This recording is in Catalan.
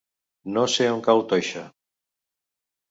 No sé on cau Toixa.